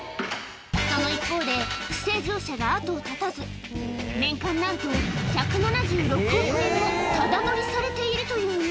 その一方で、不正乗車が後を絶たず、年間なんと１７６億円もただ乗りされているという。